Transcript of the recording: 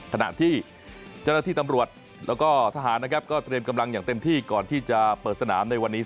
ถนาที่เจ้าหน้าธิตำรวจทร์และฐานก็เตรียมกำลังอย่างเต็มที่ก่อนที่จะเปิดสนามในวันนี้